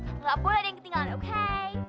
tidak boleh ada yang ketinggalan oke